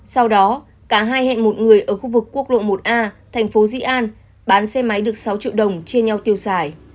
sau đó cả hai hẹn một người ở khu vực quốc lộ một a thành phố di an bán xe máy được sáu triệu đồng chia nhau tiêu xài